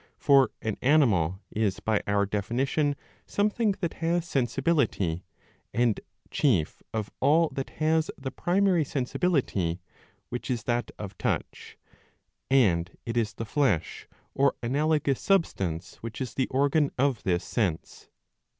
For an animal is by our definition something that has sensibility, and chief of all that has the primary sensibility, which is that of Touch ;^ and it is the flesh, or analogous substance, which is the organ of this sense.